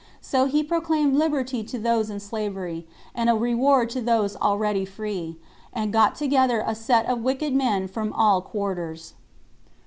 So he proclaimed liberty to those in slavery, and a reward to those already free, and got together a set of wicked men from all quarters.